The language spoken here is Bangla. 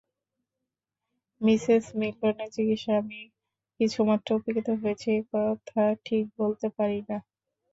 মিসেস মিল্টনের চিকিৎসায় আমি কিছুমাত্র উপকৃত হয়েছি, এ-কথা ঠিক বলতে পারি না।